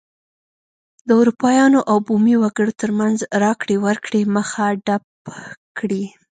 د اروپایانو او بومي وګړو ترمنځ راکړې ورکړې مخه ډپ کړي.